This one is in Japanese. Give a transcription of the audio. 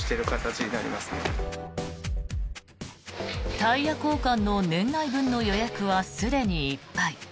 タイヤ交換の年内分の予約はすでにいっぱい。